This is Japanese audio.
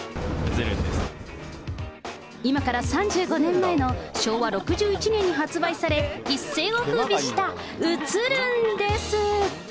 今から３５年前の昭和６１年に発売され、一世をふうびした写ルンです。